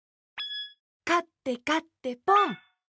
かってかってポン！